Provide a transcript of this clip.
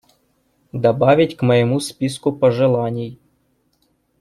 Добавить к моему списку пожеланий.